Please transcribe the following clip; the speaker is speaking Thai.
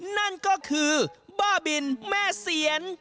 นั่นก็คือบ้าบินแม่เสียน